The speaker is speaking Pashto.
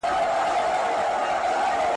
الله تعالی د مسلمان دعاء نه ردوي.